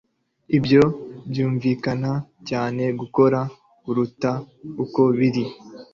Ibyo byumvikana cyane gukora kuruta uko biri.